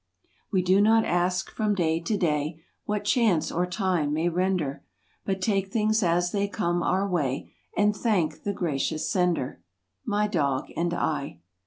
We do not ask from day to day What chance or time may render, But take things as they come our way And thank the gracious Sender— My dog and I.